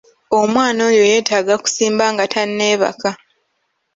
Omwana oyo yetaaga kusimba nga tanneebaka.